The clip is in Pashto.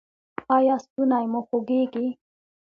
ایا ستونی مو خوږیږي؟